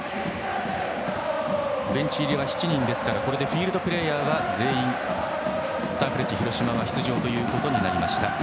ベンチ入りは７人ですからこれでフィールドプレーヤーはサンフレッチェ広島は全員出場となりました。